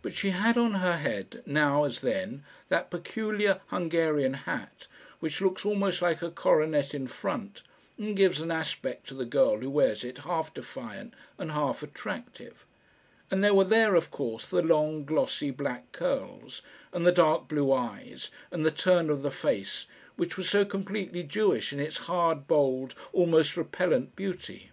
But she had on her head, now as then, that peculiar Hungarian hat which looks almost like a coronet in front, and gives an aspect to the girl who wears it half defiant and half attractive; and there were there, of course, the long, glossy, black curls, and the dark blue eyes, and the turn of the face, which was so completely Jewish in its hard, bold, almost repellant beauty.